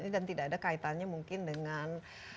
dan tidak ada kaitannya mungkin dengan